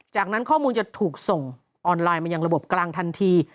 จากนั้นข้อมูลจะถูกส่งออนไลน์มายังระบบกลางทันที